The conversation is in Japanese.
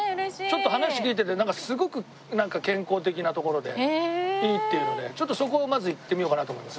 ちょっと話聞いててなんかすごく健康的な所でいいっていうのでちょっとそこをまず行ってみようかなと思います。